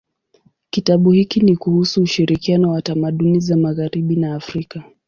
Kitabu hiki ni kuhusu ushirikiano wa tamaduni za magharibi na Afrika.